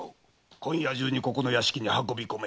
今夜中にこの屋敷に運び込め。